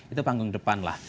itu panggung depan lah